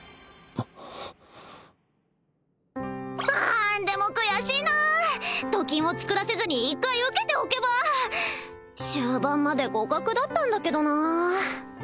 あでも悔しいなと金を作らせずに一回受けておけば終盤まで互角だったんだけどなあ